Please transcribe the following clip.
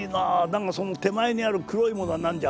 何かその手前にある黒いものは何じゃ？